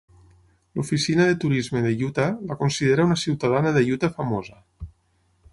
L'Oficina de Turisme de Utah la considera una "ciutadana de Utah famosa".